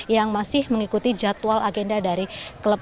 yang masih mengikuti jadwal agenda dari klub